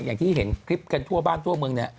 อย่างที่เห็นคลิปกันทั่วบ้านทั่วเมืองเนี่ย